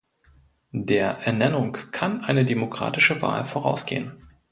Der Ernennung kann eine demokratische Wahl vorausgehen.